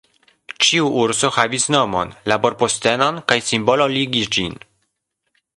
Ĉiu urso havis nomon, laborpostenon, kaj simbolo ligis ĝin.